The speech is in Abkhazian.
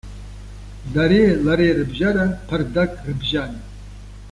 Дареи лареи рыбжьара ԥардак рыбжьан.